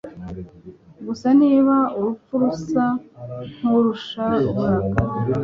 Gusa niba urupfu rusa nkurusha uburakari